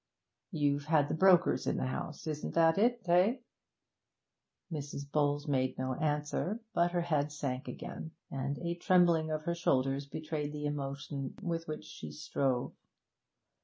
'You've had the brokers in the house isn't that it, eh?' Mrs. Bowles made no answer, but her head sank again, and a trembling of her shoulders betrayed the emotion with which she strove.